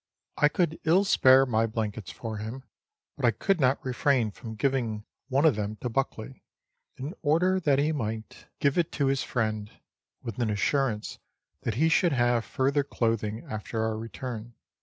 I could ill spare my blankets for him, but I could not refrain from giving one of them to Buckley in order that he might u z 292 Letters from Victorian Pioneers. give it to his friend, with an. assurance that he should have fur ther clothing after our return.